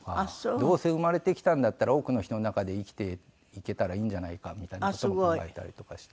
どうせ生まれてきたんだったら多くの人の中で生きていけたらいいんじゃないかみたいな事も考えたりとかして。